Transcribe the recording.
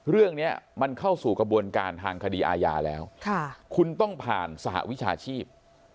เรื่องนี้มันเข้าสู่กระบวนการทางคดีอาญาแล้วคุณต้องผ่านสหวิชาชีพ